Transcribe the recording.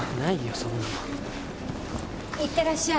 そんなの。いってらっしゃい。